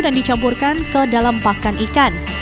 dan dicampurkan ke dalam pakan ikan